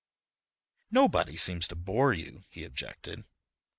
"Nobody seems to bore you," he objected.